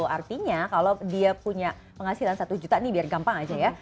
artinya kalau dia punya penghasilan satu juta nih biar gampang aja ya